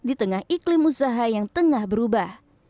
di tengah iklim usaha yang tengah berubah